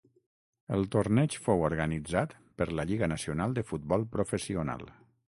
El torneig fou organitzat per la Lliga Nacional de Futbol Professional.